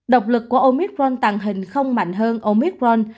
độc lực của omitron tàng hình không mạnh hơn omicron